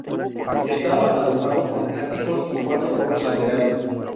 Estaba adornado con áticos y cuatro torres laterales.